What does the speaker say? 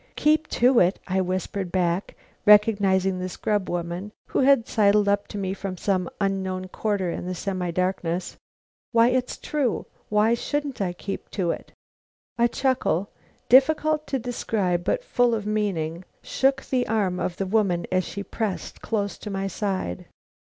"Keep to it!" I whispered back, recognizing the scrub woman, who had sidled up to me from some unknown quarter in the semi darkness. "Why, it's true. Why shouldn't I keep to it." A chuckle, difficult to describe but full of meaning, shook the arm of the woman as she pressed close to my side.